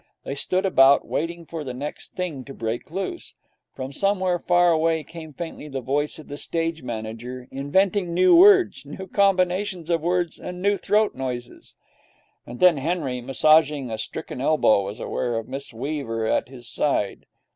They stood about, waiting for the next thing to break loose. From somewhere far away came faintly the voice of the stage manager inventing new words, new combinations of words, and new throat noises. And then Henry, massaging a stricken elbow, was aware of Miss Weaver at his side.